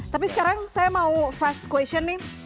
tapi sekarang saya mau fast question nih